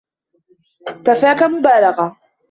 كفاكَ مبالغة.